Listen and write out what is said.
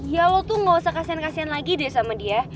ya lo tuh nggak usah kasian kasian lagi deh sama dia